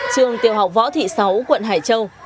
trường tiểu học võ thị sáu quận hải châu